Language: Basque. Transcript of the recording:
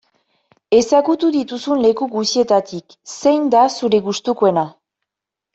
Ezagutu dituzun leku guztietatik zein da zure gustukoena?